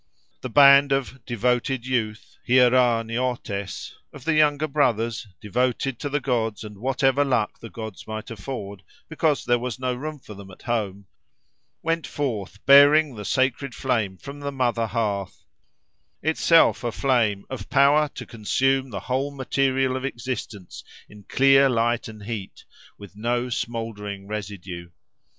The band of "devoted youth,"—hiera neotês.+—of the younger brothers, devoted to the gods and whatever luck the gods might afford, because there was no room for them at home—went forth, bearing the sacred flame from the mother hearth; itself a flame, of power to consume the whole material of existence in clear light and heat, with no smouldering residue.